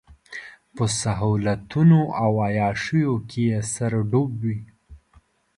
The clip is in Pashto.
په سهولتونو او عياشيو کې يې سر ډوب وي.